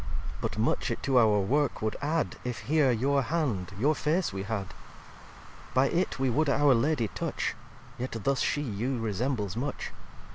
xvii "But much it to our work would add If here your hand, your Face we had: By it we would our Lady touch; Yet thus She you resembles much.